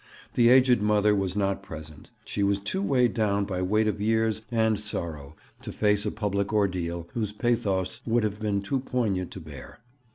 The aged mother was not present; she was too weighed down by weight of years and sorrow to face a public ordeal whose pathos would have been too poignant to bear.